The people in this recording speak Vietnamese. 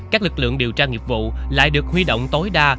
các lực lượng điều tra nghiệp vụ lại được huy động tối đa